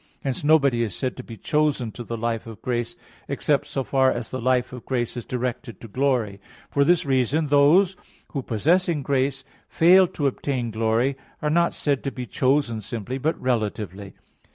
Hence nobody is said to be chosen to the life of grace, except so far as the life of grace is directed to glory. For this reason those who, possessing grace, fail to obtain glory, are not said to be chosen simply, but relatively.